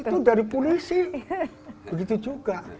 itu dari polisi begitu juga